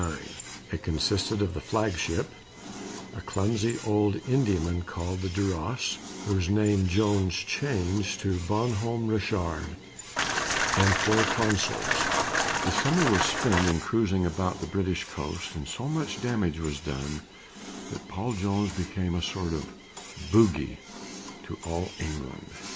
It consisted of the flagship a clumsy old Indiaman called the Duras, whose name Jones changed to Bon Homme Richard and four consorts. The summer was spent in cruising about the British coast and so much damage was done that Paul Jones became a sort of bogey to all England.